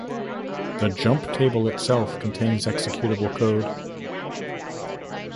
The jump table itself contains executable code.